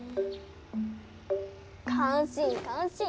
感心感心。